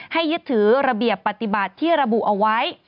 ยึดถือระเบียบปฏิบัติที่ระบุเอาไว้